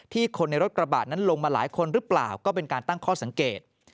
คนในรถกระบะนั้นลงมาหลายคนหรือเปล่าก็เป็นการตั้งข้อสังเกต